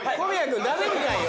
君ダメみたいよ。